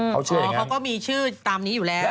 เพราะเขาก็มีชื่อตามนี้อยู่แล้ว